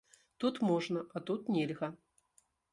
Тут можна, а тут нельга.